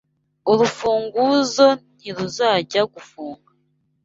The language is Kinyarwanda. Urufunguzo ntiruzajya gufunga.